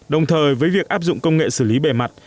đồng thời với việc áp dụng công nghệ xử lý bề mặt